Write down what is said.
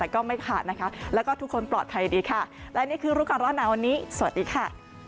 ก็ไม่ขาดนะคะแล้วก็ทุกคนปลอดภัยดีค่ะและนี่คือรู้ก่อนร้อนหนาวันนี้สวัสดีค่ะ